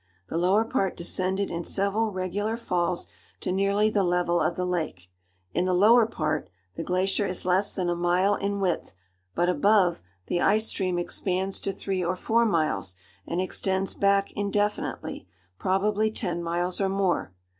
The lower part descended in several regular falls to nearly the level of the lake. In the lower part, the glacier is less than a mile in width, but above, the ice stream expands to three or four miles, and extends back indefinitely, probably ten miles or more.